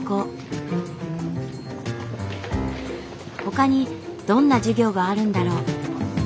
ほかにどんな授業があるんだろう？